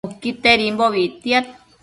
Nuquitedimbobi ictiad